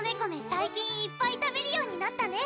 最近いっぱい食べるようになったね